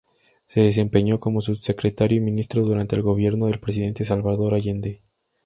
Se desempeñó como subsecretario y ministro, durante el Gobierno del Presidente Salvador Allende.